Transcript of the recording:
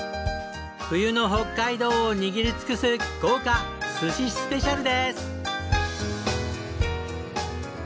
冬の北海道を握り尽くす豪華寿司スペシャルです！